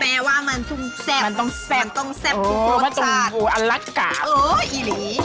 แปลว่ามันต้องเซ็บพร็อทชาตินะครับโอ๊ยอีหลี